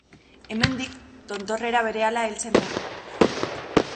Hemendik, tontorrera berehala heltzen da.